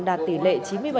đạt tỷ lệ chín mươi bảy